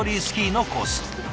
スキーのコース。